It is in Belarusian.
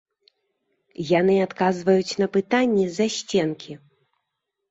Яны адказваюць на пытанні з-за сценкі.